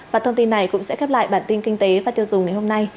và thông tin này cũng sẽ khép lại bản tin kinh tế và tiêu dùng ngày hôm nay